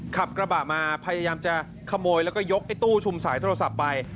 ขับกระบะมาพยายามจะขโมยแล้วก็ยกไอ้ตู้ชุมสายโทรศัพท์ไป